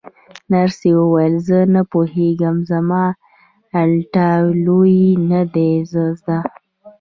نرسې وویل: زه نه پوهېږم، زما ایټالوي نه ده زده.